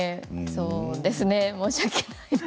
そうですね、申し訳ない。